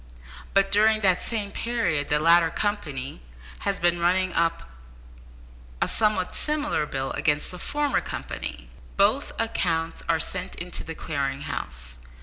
But during the same period the latter company has been running up a somewhat similar bill against the former company. Both accounts are sent in to the Clearing House.